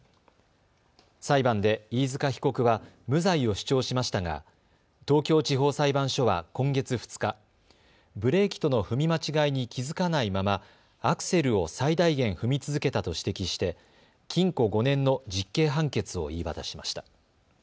裁判で飯塚被告は無罪を主張しましたが東京地方裁判所は今月２日、ブレーキとの踏み間違いに気付かないままアクセルを最大限踏み続けたと指摘して禁錮５年の実刑判決を言い渡しました。